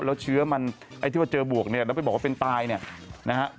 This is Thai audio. แล้วเชื้อมันไอ้ที่ว่าเจอบวกเนี่ยแล้วไปบอกว่าเป็นตายเนี่ยนะฮะ